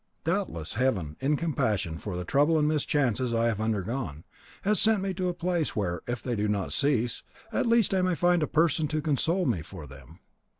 Doubtless, Heaven, in compassion for the trouble and mischances I have undergone, has sent me to a place where, if they do not cease, at least I may find a person to console me for them."